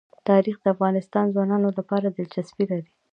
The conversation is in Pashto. تاریخ د افغان ځوانانو لپاره دلچسپي لري.